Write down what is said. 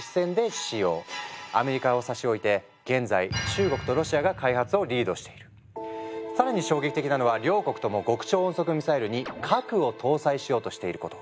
アメリカを差し置いて現在更に衝撃的なのは両国とも極超音速ミサイルに核を搭載しようとしていること。